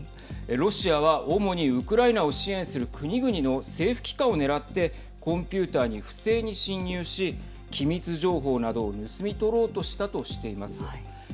ロシアは主にウクライナを支援する国々の政府機関を狙ってコンピューターに不正に侵入し機密情報などを盗み取ろうとしたとしています。